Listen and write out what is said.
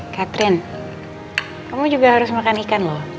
catherine kamu juga harus makan ikan loh